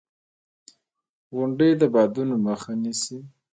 • غونډۍ د بادونو مخه نیسي.